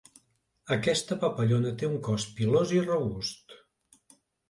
Aquesta papallona té un cos pilós i robust.